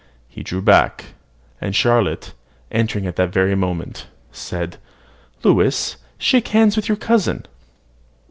He drew back; and Charlotte, entering at the very moment, said, "Louis, shake hands with your cousin."